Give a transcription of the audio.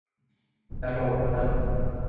อย่าโหลดตัวนั้น